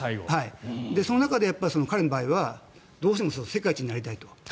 その中で彼の場合はどうしても世界一になりたいと。